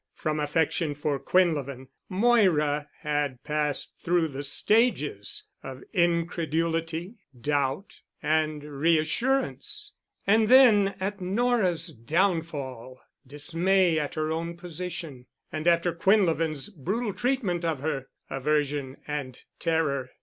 From affection for Quinlevin, Moira had passed through the stages of incredulity, doubt, and reassurance, and then at Nora's downfall, dismay at her own position, and after Quinlevin's brutal treatment of her, aversion and terror.